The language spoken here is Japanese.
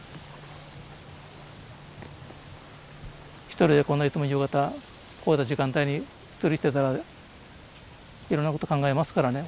一人でこんないつも夕方こういった時間帯に釣りしてたらいろんなこと考えますからね。